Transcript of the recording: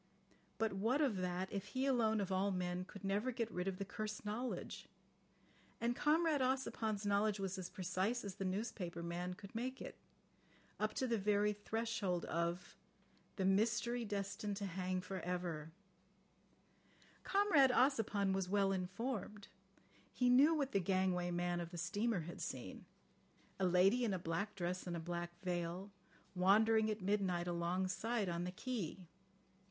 But what of that if he alone of all men could never get rid of the cursed knowledge? And Comrade Ossipon's knowledge was as precise as the newspaper man could make it—up to the very threshold of the "mystery destined to hang for ever. ..." Comrade Ossipon was well informed. He knew what the gangway man of the steamer had seen: "A lady in a black dress and a black veil, wandering at midnight alongside, on the quay.